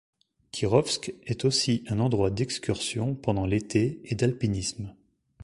Kirovsk est aussi un endroit d'excursions pendant l'été et d'alpinisme.